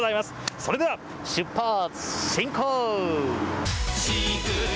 それでは出発進行！